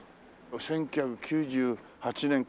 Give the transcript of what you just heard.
１９９８年か。